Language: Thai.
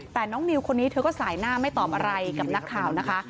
แต่น้องนิวคนนี้เธอก็สายหน้าไม่ตอบอะไรกับนักข่าวนะคะ